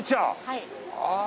はい。